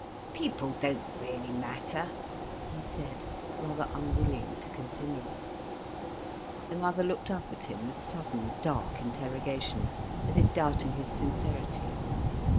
"People don't really matter," he said, rather unwilling to continue. The mother looked up at him with sudden, dark interrogation, as if doubting his sincerity.